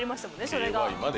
それが。